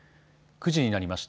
９時になりました。